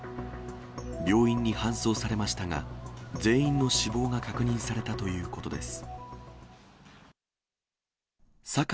病院に搬送されましたが、全員の死亡が確認されたということです。